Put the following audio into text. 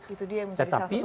itu dia yang menjadi salah satu